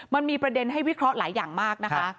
มันมีประเด็นให้วิเคราะห์หลายอย่างมากนะคะ